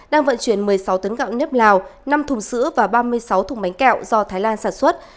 đang vận chuyển một mươi sáu tấn gạo nếp lào năm thùng sữa và ba mươi sáu thùng bánh kẹo do thái lan sản xuất